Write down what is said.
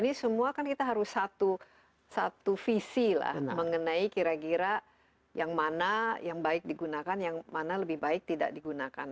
ini semua kan kita harus satu visi lah mengenai kira kira yang mana yang baik digunakan yang mana lebih baik tidak digunakan